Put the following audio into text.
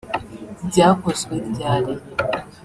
Byakozwe ryari